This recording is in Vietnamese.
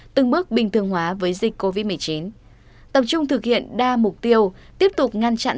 từng bước bình thường hóa với dịch covid một mươi chín tập trung thực hiện đa mục tiêu tiếp tục ngăn chặn